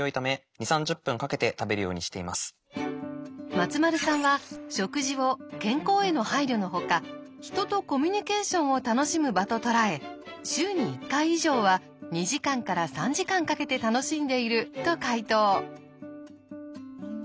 松丸さんは食事を健康への配慮のほか人とコミュニケーションを楽しむ場と捉え週に１回以上は２時間から３時間かけて楽しんでいると解答。